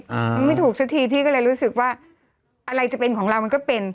มันไม่ถูกสักทีพี่ก็เลยรู้สึกว่าอะไรจะเป็นของเรามันก็เป็น